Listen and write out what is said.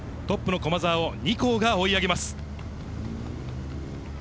トップの駒澤を２校が追い上げます。